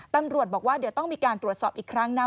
ตำรวจบอกว่าเดี๋ยวต้องมีการตรวจสอบอีกครั้งนะ